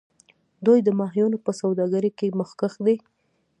دوی د ماهیانو په سوداګرۍ کې مخکښ دي.